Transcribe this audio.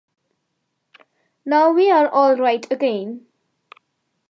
Now we're all right again.